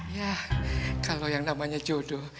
yah kalo yang namanya jodoh